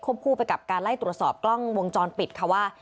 คู่ไปกับการไล่ตรวจสอบกล้องวงจรปิดค่ะว่า